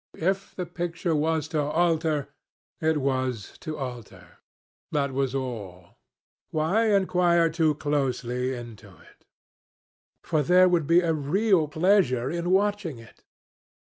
If the picture was to alter, it was to alter. That was all. Why inquire too closely into it? For there would be a real pleasure in watching it.